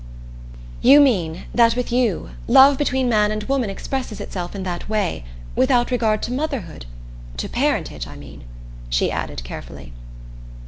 "You mean that with you love between man and woman expresses itself in that way without regard to motherhood? To parentage, I mean," she added carefully.